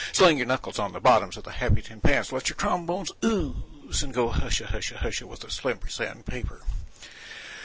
Sling your knuckles on the bottoms of the happy tin pans, let your trombones ooze, and go hushahusha hush with the slippery sand paper.